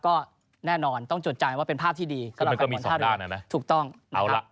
ก็แน่นอนต้องจดจ่ายว่าเป็นภาพที่ดีมันก็มีสองด้านอ่ะนะถูกต้องเอาล่ะ